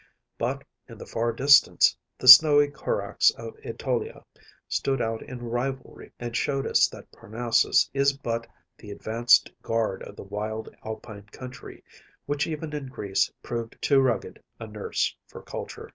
But, in the far distance, the snowy Corax of Ætolia stood out in rivalry, and showed us that Parnassus is but the advanced guard of the wild alpine country, which even in Greece proved too rugged a nurse for culture.